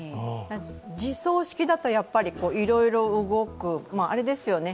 自走式だとやっぱり、いろいろ動く、あれですよね